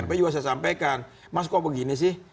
tapi juga saya sampaikan mas kok begini sih